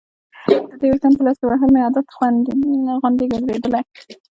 د دې په ویښتانو کې لاس وهل مې عادت غوندې ګرځېدلی و.